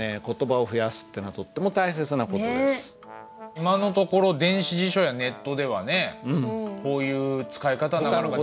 今のところ電子辞書やネットではねこういう使い方ができない。